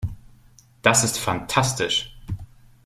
Das ist fantastisch.